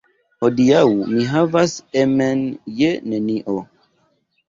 Hodiaŭ mi havas emen je nenio.